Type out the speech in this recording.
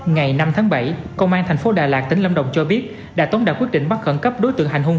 ngày năm tháng bảy công an tp đà lạt tính lâm đồng cho biết đà tống đã quyết định bắt khẩn cấp đối tượng hành hung